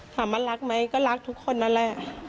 รักไหมก็รักทุกคนนั่นแหละ